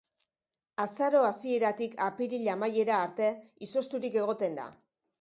Azaro hasieratik apiril amaiera arte izozturik egoten da.